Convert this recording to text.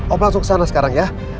om langsung kesana sekarang ya